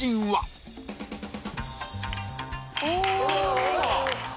お！